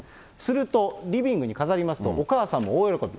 すると、リビングに飾りますと、お母さんも大喜び。